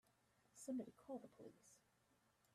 Somebody call the police!